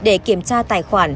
để kiểm tra tài khoản